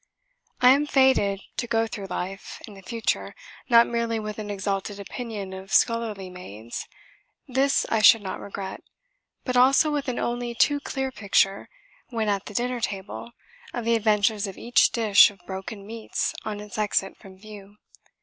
I am fated to go through life, in the future, not merely with an exalted opinion of scullery maids this I should not regret but also with an only too clear picture, when at the dinner table, of the adventures of each dish of broken meats on its exit from view.